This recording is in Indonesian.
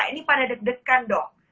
ini pada deg degan dok